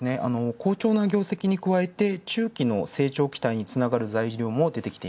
好調な業績に加えて中期の成長期待につながる材料も。